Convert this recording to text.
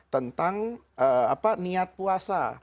tentang niat puasa